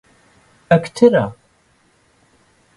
ئەکتەرە.